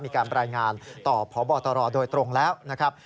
มีการรายงานต่อพบตรโดยตรงแล้วนะครับ